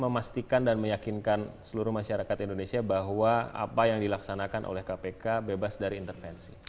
memastikan dan meyakinkan seluruh masyarakat indonesia bahwa apa yang dilaksanakan oleh kpk bebas dari intervensi